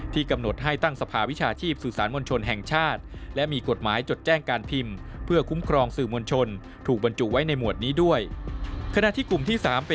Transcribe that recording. ที่กำหนดให้ตั้งสภาวิชาชีพ